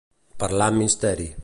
Parlar amb misteri.